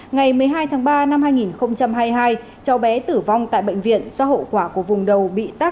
ngày một mươi hai tháng ba năm hai nghìn hai mươi hai cháu bé tử vong tại bệnh viện do hậu quả của vùng đầu bị tác